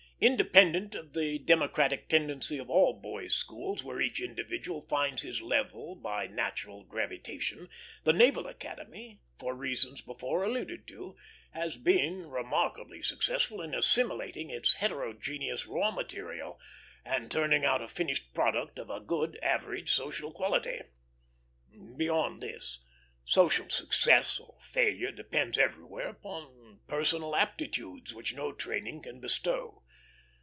Independent of the democratic tendency of all boys' schools, where each individual finds his level by natural gravitation, the Naval Academy, for reasons before alluded to, has been remarkably successful in assimilating its heterogeneous raw material and turning out a finished product of a good average social quality. Beyond this, social success or failure depends everywhere upon personal aptitudes which no training can bestow.